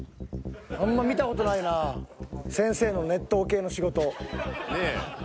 あんま見た事ないなぁ先生の熱湯系の仕事。